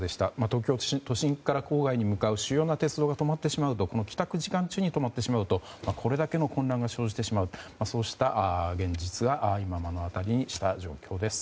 東京都心から郊外に向かう主要な鉄道が帰宅時間中に止まってしまうとこれだけの混乱が生じてしまうそうした現実を目の当たりにした状況です。